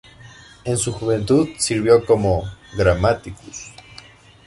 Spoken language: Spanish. En su juventud sirvió como "grammaticus".